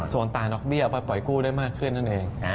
ส่วนต่างดอกเบี้ยไปปล่อยกู้ได้มากขึ้นนั่นเอง